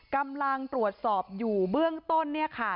กำลังตรวจสอบอยู่เบื้องต้นเนี่ยค่ะ